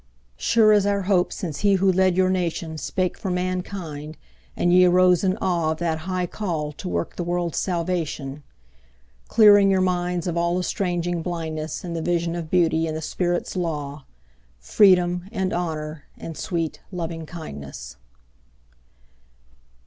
Sure is our hope since he who led your nation Spake for mankind, and ye arose in awe Of that high call to work the world's salvation ; Clearing your minds of all estranging blindness In the vision of Beauty and the Spirit's law, Freedom and Honour and sweet Lovingkindness.